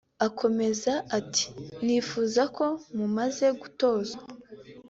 Akomeza ati “Nifuza ko mumaze gutozwa